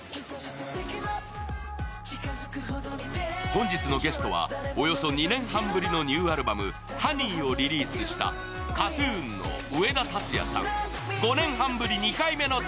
本日のゲストは、およそ２年半ぶりのニューアルバム、「Ｈｏｎｅｙ」をリリースしたＫＡＴ−ＴＵＮの上田竜也さん。